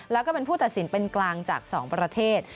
แล้วก็เป็นผู้ตัดสินเป็นกลางจาก๒ประเทศ